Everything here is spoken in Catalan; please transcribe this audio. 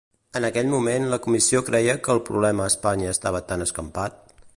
En aquell moment la Comissió creia que el problema a Espanya estava tan escampat?